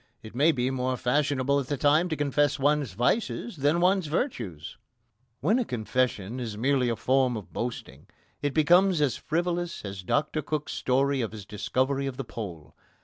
It may be more fashionable at the time to confess one's vices than one's virtues. When a confession is merely a form of boasting it becomes as frivolous as Dr Cook's story of his discovery of the Pole.